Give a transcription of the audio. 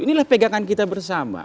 inilah pegangan kita bersama